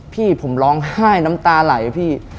พี่ผมร้องไห้น้ำตาไหลพี่